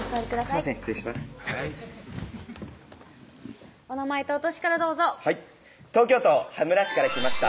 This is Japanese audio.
すいません失礼しますお名前とお歳からどうぞはい東京都羽村市から来ました